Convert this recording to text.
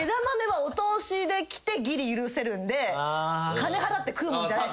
金払って食うもんじゃねえ。